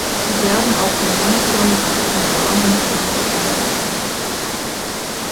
Sie werden auf dem Monitor mit einer Umrahmung besonders kenntlich gemacht.